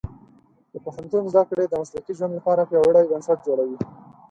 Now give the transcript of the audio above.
د پوهنتون زده کړې د مسلکي ژوند لپاره پیاوړي بنسټ جوړوي.